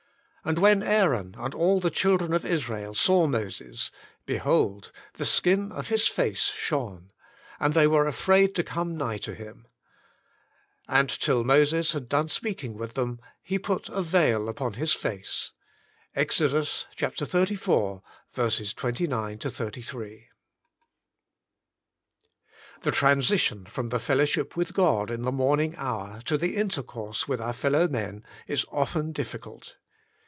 And when Aaron and all the children of Israel saw Moses, behold, the skin of his face shone ; and they were afraid to come nigh to him. And till Moses had done speaking with them, he put a veil upon his face." — Exod. xxxiv. 29 33. The transition from the fellowship with God in the morning hour to the intercourse with our f el lowmen is often difficult.